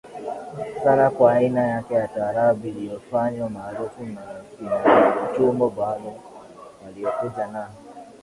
sana kwa aina yake ya Taarab iliyofanywa maarufu na akina Juma Bhalo waliokuja na